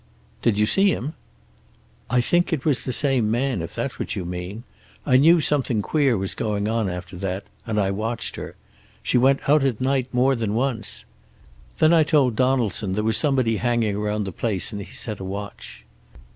"Did you see him?" "I think it was the same man, if that's what you mean. I knew something queer was going on, after that, and I watched her. She went out at night more than once. Then I told Donaldson there was somebody hanging round the place, and he set a watch."